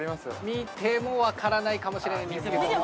◆見ても分からないかもしれないんですけど。